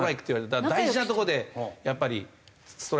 だから大事なところでやっぱりストライク取られたり。